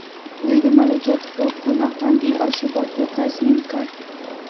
دوی د مالکیت حقونه خوندي او ثبات یې تضمین کړ.